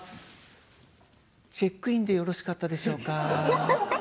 チェックインでよろしかったでしょうか。